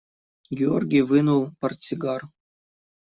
Георгий вынул портсигар.